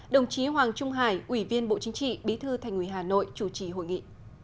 đồng chí hoàng trung hải ủy viên bộ chính trị bí thư thành ủy hà nội chủ trì hội nghị